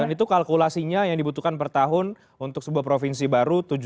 dan itu kalkulasinya yang dibutuhkan per tahun untuk sebuah provinsi baru